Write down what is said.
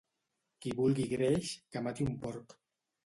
Qui vulgui greix, que mati un porc.